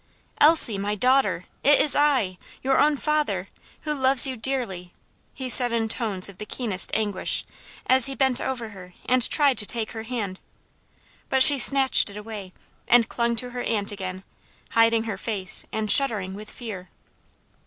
"Elsie! my daughter! it is I! your own father, who loves you dearly!" he said in tones of the keenest anguish, as he bent over her, and tried to take her hand. But she snatched it away, and clung to her aunt again, hiding her face, and shuddering with fear.